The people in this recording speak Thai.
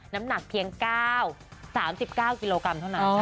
น้ำหนักเพียง๓๙กิโลกรัมเท่านั้น